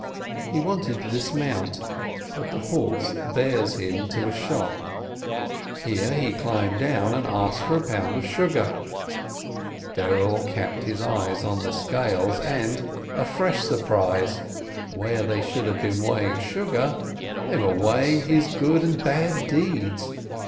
He wanted to dis mount, but the horse bears him to a shop. Here he climbed down and asked for a pound of sugar. Berel kept his eyes on the scales, and — a fresh surprise ! Where they should have been weighing sugar, they were weigh ing his good and bad deeds.